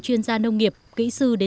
chuyên gia nông nghiệp kỹ sư